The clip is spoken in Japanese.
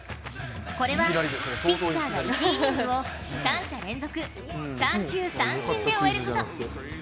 これはピッチャーが１イニングを３者連続３球三振で終えること。